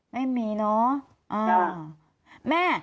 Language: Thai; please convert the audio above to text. ไม่มีเนอะอ่า